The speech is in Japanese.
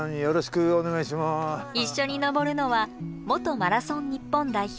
一緒に登るのは元マラソン日本代表